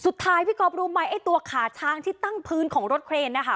สุดท้ายพี่ครอบรู้ไหมไอ้ตัวขาช้างที่ต้ั่งพื้นของรถเครนเนี้ยค่ะ